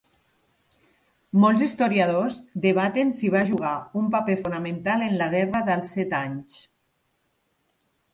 Molts historiadors debaten si va jugar un paper fonamental en la Guerra dels Set Anys.